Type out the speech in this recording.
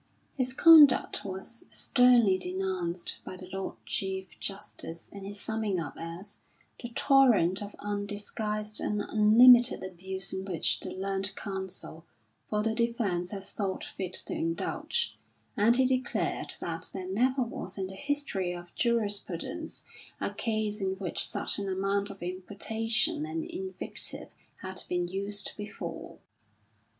His conduct was sternly denounced by the Lord Chief Justice in his summing up as: "the torrent of undisguised and unlimited abuse in which the learned counsel for the defence has thought fit to indulge," and he declared that "there never was in the history of jurisprudence a case in which such an amount of imputation and invective had been used before."